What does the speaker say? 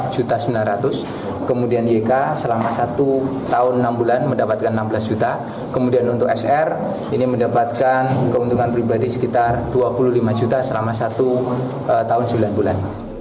empat juta sembilan ratus kemudian yk selama satu tahun enam bulan mendapatkan enam belas juta kemudian untuk sr ini mendapatkan keuntungan pribadi sekitar dua puluh lima juta selama satu tahun sembilan bulan